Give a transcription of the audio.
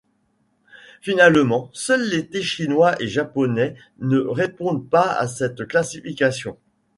Finalement, seuls les thés chinois et japonais ne répondent pas à cette classification.